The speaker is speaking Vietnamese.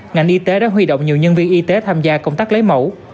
ngành y tế đã huy động nhiều nhân viên y tế tham gia công tác lấy mẫu